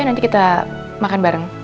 nanti kita makan bareng